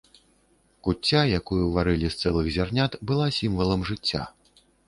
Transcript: Куцця, якую варылі з цэлых зярнят, была сімвалам жыцця.